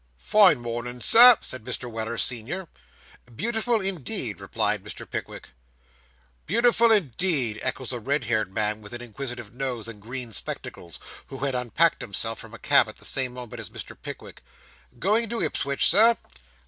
'Fine mornin', Sir,' said Mr. Weller, senior. 'Beautiful indeed,' replied Mr. Pickwick. 'Beautiful indeed,' echoes a red haired man with an inquisitive nose and green spectacles, who had unpacked himself from a cab at the same moment as Mr. Pickwick. 'Going to Ipswich, Sir?